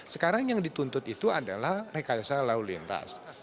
sekarang yang dituntut itu adalah rekayasa lalu lintas